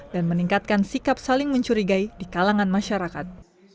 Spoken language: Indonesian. dan meningkatkan sikap saling mencurigai di kalangan masyarakat